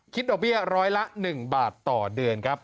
ดอกเบี้ยร้อยละ๑บาทต่อเดือนครับ